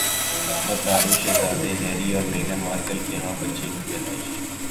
برطانوی شہزادے ہیری اور میگھن مارکل کے ہاں بچے کی پیدائش